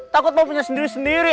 takut mau punya sendiri sendiri